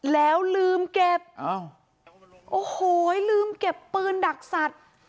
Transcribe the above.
แล้วลืมเก็บโอ้โหลืมเก็บปืนดักสัตว์